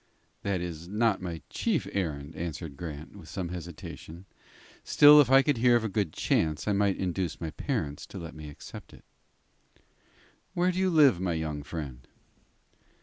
"That is not my chief errand," answered Grant, with some hesitation. "Still, if I could hear of a good chance, I might induce my parents to let me accept it." "Where do you live, my young friend?"